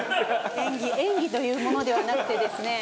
演技というものではなくてですね。